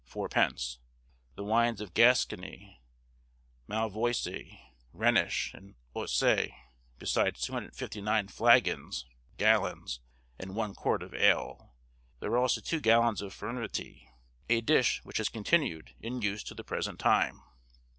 _; the wines were Gascony, Malvoisy, Rhenish, and Ossey, besides 259 flaggons (gallons) and one quart of ale; there were also two gallons of furmity, a dish which has continued in use to the present time.